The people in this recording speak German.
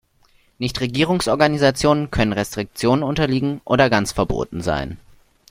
Nichtregierungsorganisationen können Restriktionen unterliegen oder ganz verboten sein.